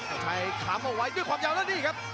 อาชัยคำเอาไว้ด้วยความยาวแล้วนี่ครับ